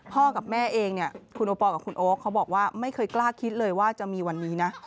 กับแม่เองเนี่ยคุณโอปอลกับคุณโอ๊คเขาบอกว่าไม่เคยกล้าคิดเลยว่าจะมีวันนี้นะ